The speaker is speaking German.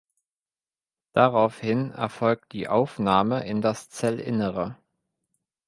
Daraufhin erfolgt die Aufnahme in das Zellinnere.